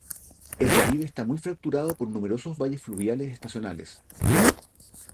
El relieve está muy fracturado por numerosos valles fluviales estacionales.